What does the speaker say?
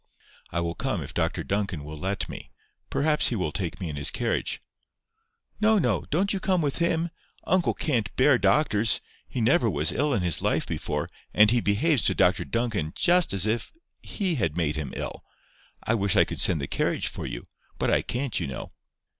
"I will come if Dr Duncan will let me. Perhaps he will take me in his carriage." "No, no. Don't you come with him. Uncle can't bear doctors. He never was ill in his life before, and he behaves to Dr Duncan just as if he had made him ill. I wish I could send the carriage for you. But I can't, you know."